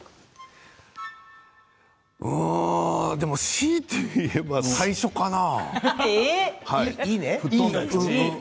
強いて言えば最初かな？